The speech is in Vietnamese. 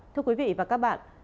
thưa quý vị và các bạn